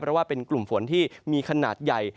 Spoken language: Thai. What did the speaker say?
เพราะว่าเป็นกลุ่มฝนที่มีขนาดใหญ่